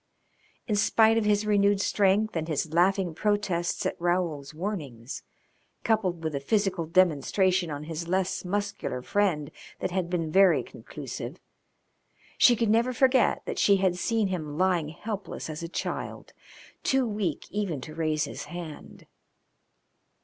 In spite of his renewed strength and his laughing protests at Raoul's warnings, coupled with a physical demonstration on his less muscular friend that had been very conclusive, she could never forget that she had seen him lying helpless as a child, too weak even to raise his hand.